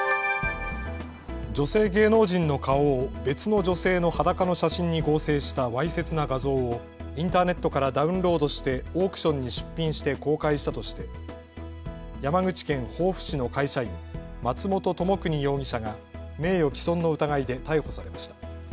女性芸能人の顔を別の女性の裸の写真に合成したわいせつな画像をインターネットからダウンロードしてオークションに出品して公開したとして山口県防府市の会社員、松本知邦容疑者が名誉毀損の疑いで逮捕されました。